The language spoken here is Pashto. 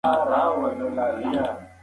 چې د پوره قدر، درناوي او درنښت وړ دی